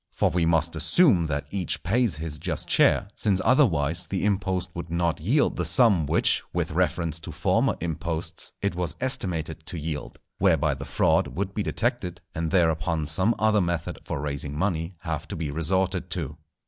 For we must assume that each pays his just share, since otherwise the impost would not yield the sum which, with reference to former imposts, it was estimated to yield; whereby the fraud would be detected, and thereupon some other method for raising money have to be resorted to.